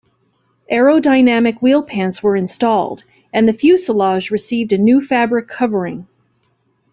Aero-dynamic wheel pants were installed, and the fuselage received a new fabric covering.